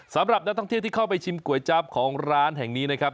สำหรับนักท่องเที่ยวที่เข้าไปชิมก๋วยจั๊บของร้านแห่งนี้นะครับ